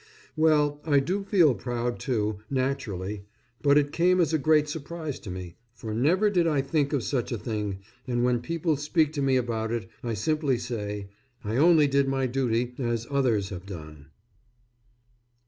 Well, I do feel proud, too, naturally; but it came as a great surprise to me, for never did I think of such a thing; and when people speak to me about it, I simply say, "I only did my duty, as others have done."